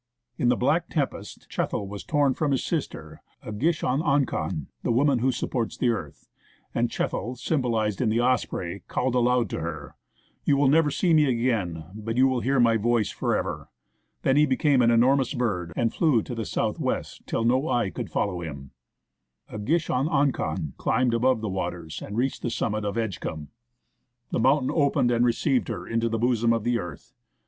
In the black tempest, Chethl was torn from his sister, Ah gish ahn akhon (the woman who supports the earth), and Chethl (symbolized in the osprey) called aloud to her :' You will never see me again, but you will hear my voice for ever !' Then he became an enormous bird, and flew to south west till no eye could follow him. " Ah gish ahn akhon climbed above the waters and reached the summit of Edgecumbe. The mountain opened and received her into the bosom of the earth.